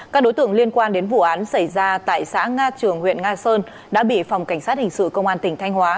các đối tượng liên quan đến vụ án xảy ra tại xã nga trường huyện nga sơn đã bị phòng cảnh sát hình sự công an tỉnh thanh hóa